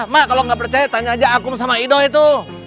mak kalau nggak percaya tanya aja akum sama ido itu